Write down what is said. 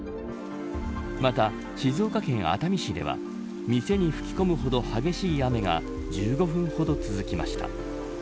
また、静岡県熱海市では店に吹き込むほど激しい雨が１５分ほど続きました。